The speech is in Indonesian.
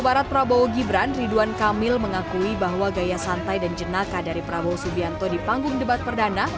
jawa barat prabowo gibran ridwan kamil mengakui bahwa gaya santai dan jenaka dari prabowo subianto di panggung debat perdana